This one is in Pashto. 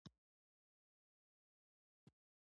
د فلم کتلو پر مهال له احساس سره یو ځای شو.